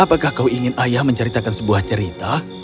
apakah kau ingin ayah menceritakan sebuah cerita